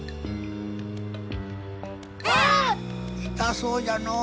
痛そうじゃの。